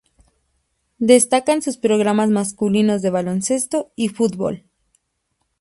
Destacan sus programas masculinos de baloncesto y fútbol.